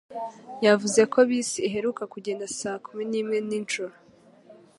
Yavuze ko bisi iheruka kugenda saa kumi nimwe nijoro.